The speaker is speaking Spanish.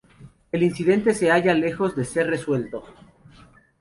El incidente se halla lejos de ser resuelto.